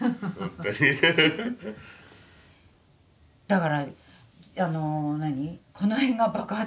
だからあの何？